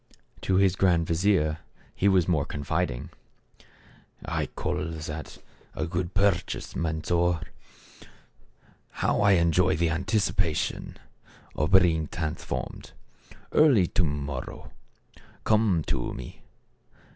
To his grand vizier he was more confiding: " I call that a good purchase, Mansor ! How I THE CARAVAN. 91 enjoy the anticipation of being transformed! Early to morrow come to me.